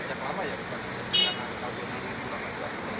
udah lama ya bukan